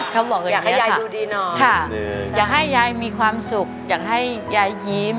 เขาบอกอย่างนี้ค่ะอยากให้ยายดูดีหนออยากให้ยายมีความสุขอยากให้ยายยิ้ม